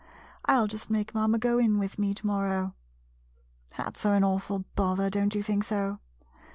I '11 just make mamma go in with me to morrow. Hats are an awful bother, don't you think so?